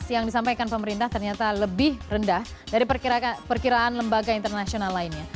yang disampaikan pemerintah ternyata lebih rendah dari perkiraan lembaga internasional lainnya